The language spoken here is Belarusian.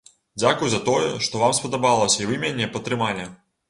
Дзякуй за тое, што вам спадабалася і вы мяне падтрымалі.